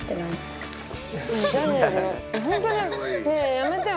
やめてよ